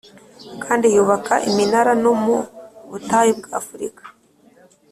Kandi yubaka iminara no mu butayu bw’ afurika